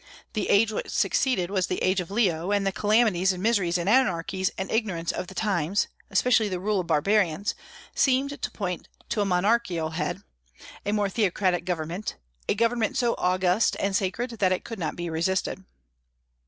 The age which succeeded was the age of Leo; and the calamities and miseries and anarchies and ignorance of the times, especially the rule of barbarians, seemed to point to a monarchical head, a more theocratic government, a government so august and sacred that it could not be resisted.